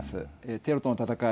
テロとの戦い